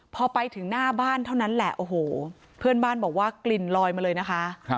พอไปถึงหน้าบ้านเท่านั้นแหละโอ้โหเพื่อนบ้านบอกว่ากลิ่นลอยมาเลยนะคะ